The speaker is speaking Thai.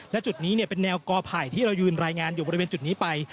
และจุดนี้เป็นแนวกอไผ่ที่เรายืนรายงานอยู่บริเวณจุดนี้ไป